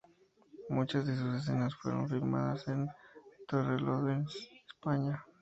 Muchas de sus escenas fueron filmadas en Torrelodones, España.